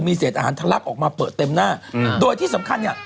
เศษอาหารทะลักออกมาเปิดเต็มหน้าอืมโดยที่สำคัญเนี้ย